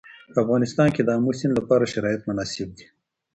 په افغانستان کې د آمو سیند لپاره شرایط مناسب دي.